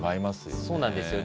そうなんですよね。